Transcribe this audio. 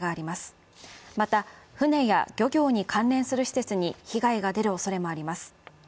また、船や漁業に関連する施設に被害が出る恐れもあります。